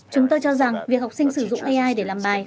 chúng tôi cho rằng việc học sinh sử dụng ai để làm bài